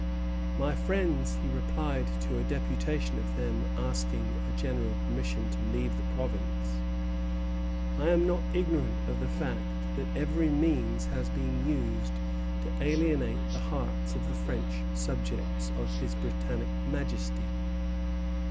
"My friends," he replied to a deputation of them asking a general permission to leave the province, "I am not ignorant of the fact that every means has been used to alienate the hearts of the French subjects of His Britannic Majesty.